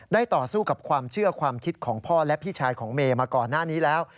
ต่อสู้กับความเชื่อความคิดของพ่อและพี่ชายของเมย์มาก่อนหน้านี้แล้ว